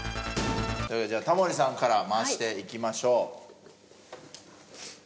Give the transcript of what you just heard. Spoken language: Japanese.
じゃあタモリさんから回していきましょう。